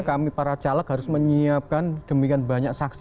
kami para caleg harus menyiapkan demikian banyak saksi